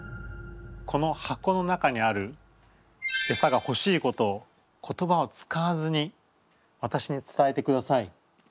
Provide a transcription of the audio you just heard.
この箱の中にあるエサが欲しいことを言葉を使わずに私に伝えてください。